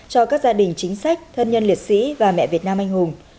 cho các gia đình chính sách thân nhân liệt sĩ và mẹ việt nam anh hùng